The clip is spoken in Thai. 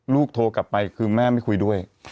โทรกลับไปคือแม่ไม่คุยด้วย